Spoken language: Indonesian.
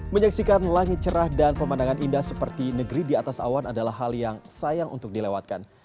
menyaksikan langit cerah dan pemandangan indah seperti negeri di atas awan adalah hal yang sayang untuk dilewatkan